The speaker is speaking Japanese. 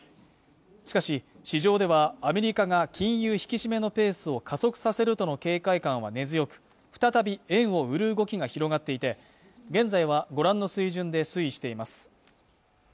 しかし市場ではアメリカが金融引き締めのペースを加速させるとの警戒感は根強く再び円を売る動きが広がっていて現在はご覧の水準で推移しています